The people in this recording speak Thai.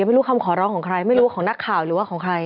ไม่รู้คำขอร้องของใครไม่รู้ของนักข่าวหรือว่าของใคร